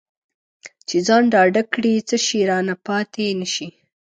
چې ځان ډاډه کړي څه شی رانه پاتې نه شي.